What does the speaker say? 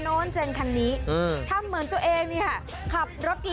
วิทยาลัยศาสตร์อัศวิทยาลัยศาสตร์